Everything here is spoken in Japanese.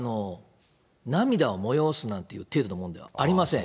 涙を催すなんて程度のものではありません。